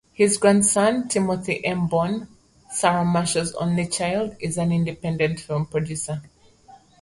His grandson, Timothy M. Bourne, Sarah Marshall's only child, is an independent film producer.